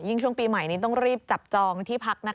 ช่วงปีใหม่นี้ต้องรีบจับจองที่พัก